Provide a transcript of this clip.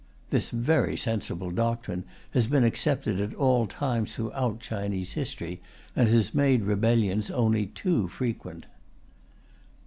This very sensible doctrine has been accepted at all times throughout Chinese history, and has made rebellions only too frequent.